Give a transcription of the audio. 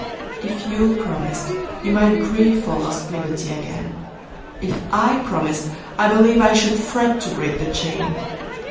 If you promised, you might grieveFor lost liberty again:If I promised, I believeI should fret to break the chain.